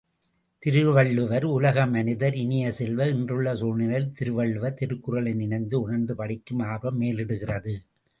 திருவள்ளுவர் உலக மனிதர் இனிய செல்வ, இன்றுள்ள சூழ்நிலையில் திருவள்ளுவர், திருக்குறளை நினைந்து உணர்ந்து படிக்கும் ஆர்வம் மேலிடுகிறது.